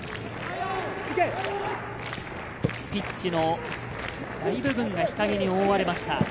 ピッチの大部分が日陰に覆われました。